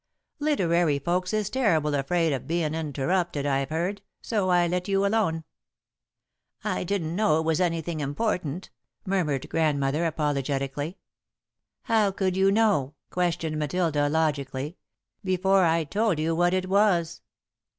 Literary folks is terrible afraid of bein' interrupted, I've heard, so I let you alone." "I didn't know it was anything important," murmured Grandmother, apologetically. "How could you know," questioned Matilda, logically, "before I'd told you what it was?"